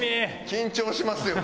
緊張しますよ。